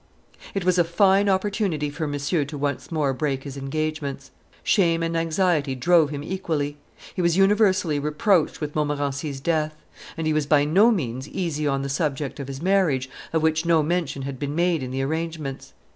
It was a fine opportunity for Monsieur to once more break his engagements. Shame and anxiety drove him equally. He was universally reproached with Montmorency's death; and he was by no means easy on the subject of his marriage, of which no mention had been made in the arrangements.